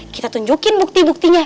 kita tunjukin bukti buktinya